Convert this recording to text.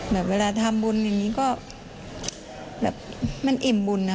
เวลาทำบุญอย่างนี้ก็แบบมันอิ่มบุญนะ